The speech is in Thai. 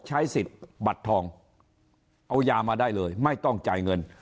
ใช้สิทธิ์บัตรทองเอายามาได้เลยไม่ต้องจ่ายเงิน